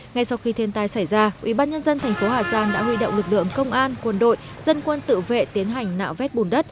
ngay sau khi thiên tai xảy ra ubnd tp hà giang đã huy động lực lượng công an quân đội dân quân tự vệ tiến hành nạo vét bùn đất